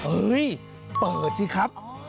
เอ้ยเปิดสิครับ